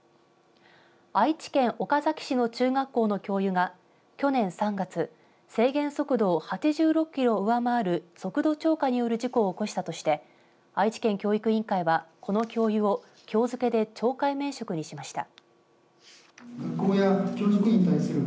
愛知県岡崎市の中学校の教諭が去年３月制限速度を８６キロ上回る速度超過による事故を起こしたとして愛知県教育委員会はこの教諭をきょう付けで懲戒免職にしました。